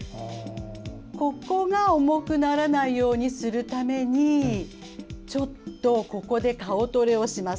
ここが重くならないようにするためにちょっと顔トレをします。